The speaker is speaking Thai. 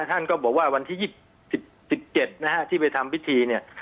ท่านก็บอกว่าวันที่ยี่สิบสิบเจ็ดนะฮะที่ไปทำพิธีเนี่ย